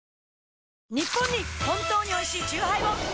ニッポンに本当においしいチューハイを！